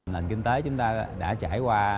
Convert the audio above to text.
nền kinh tế chúng ta đã trải qua